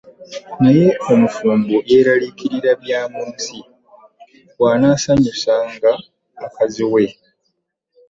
Naye omufumbo yeeraliikirira bya mu nsi, bw'anaasanyusanga mukazi we.